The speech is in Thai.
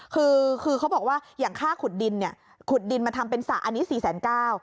คือคือเขาบอกว่าอย่างค่าขุดดินเนี่ยขุดดินมาทำเป็นสระอันนี้สี่แสนเก้า